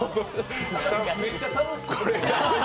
めっちゃ楽しそう。